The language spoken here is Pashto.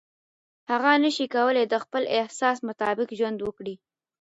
هغه نشي کولای د خپل احساس مطابق ژوند وکړي.